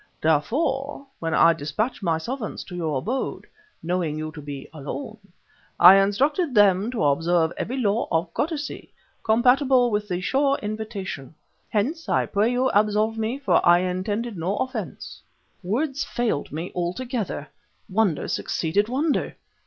Therefore, when I despatched my servants to your abode (knowing you to be alone) I instructed them to observe every law of courtesy, compatible with the Sure Invitation. Hence, I pray you, absolve me, for I intended no offense." Words failed me altogether; wonder succeeded wonder!